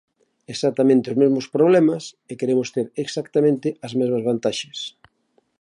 Exactamente os mesmos problemas e queremos ter exactamente as mesmas vantaxes.